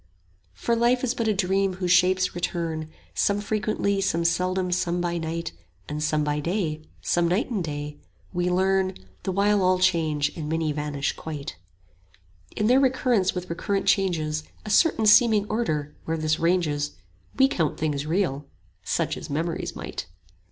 For life is but a dream whose shapes return, 15 Some frequently, some seldom, some by night And some by day, some night and day: we learn, The while all change and many vanish quite, In their recurrence with recurrent changes A certain seeming order; where this ranges 20 We count things real; such is memory's might.